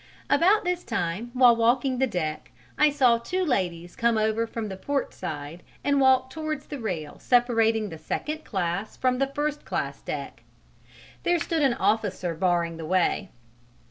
About this time, while walking the deck, I saw two ladies come over from the port side and walk towards the rail separating the second class from the first class deck. There stood an officer barring the way.